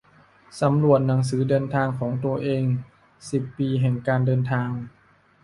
สำรวจหนังสือเดินทางของตัวเอง สิบปีแห่งการเดินทาง